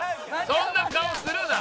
そんな顔するな。